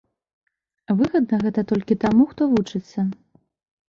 Выгадна гэта толькі таму, хто вучыцца.